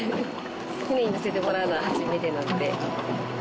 船に乗せてもらうのは初めてなので。